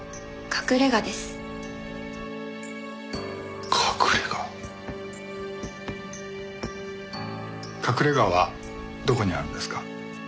隠れ家はどこにあるんですか？